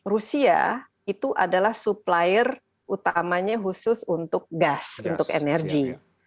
rusia itu adalah supplier utamanya khusus untuk gas untuk energi